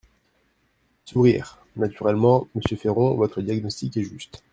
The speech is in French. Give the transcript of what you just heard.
(Sourires.) Naturellement, monsieur Féron, votre diagnostic est juste.